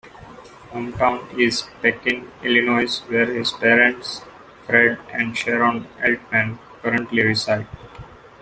Hometown is Pekin, Illinois, where his parents, Fred and Sharon Altman, currently reside.